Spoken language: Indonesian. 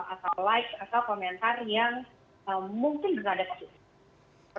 atau like atau komentar yang mungkin berhadapan